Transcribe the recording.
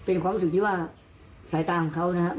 เป็นความรู้สึกที่ว่าสายตาของเขานะครับ